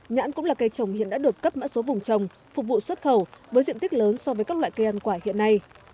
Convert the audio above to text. nhãn cũng là cây trồng hiện đã được cấp mã số vùng trồng phục vụ xuất khẩu với diện tích lớn so với các loại cây ăn quả hiện nay